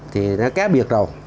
thì nó khác biệt rồi